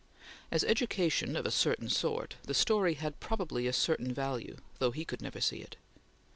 As education of a certain sort the story had probably a certain value, though he could never see it.